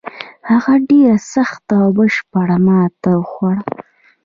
هغه ډېره سخته او بشپړه ماته وخوړه.